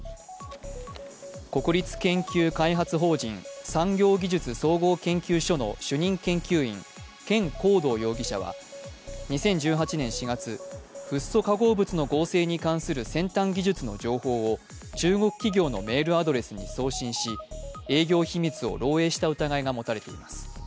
国立研究開発法人産業技術総合研究所の主任研究員権恒道容疑者は２０１８年４月、フッ素化合物の合成に関する先端技術の情報を中国企業のメールアドレスに送信し、営業秘密を漏えいした疑いが持たれています。